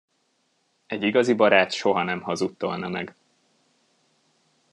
Egy igazi barát soha nem hazudtolna meg.